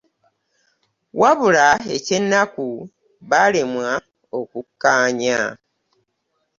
Wabula ekyennaku baalemwa okukkaanya